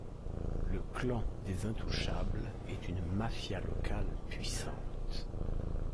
Le clan des intouchables est une mafia locale puissante.